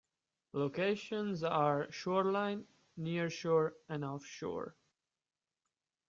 Locations are shoreline, nearshore and offshore.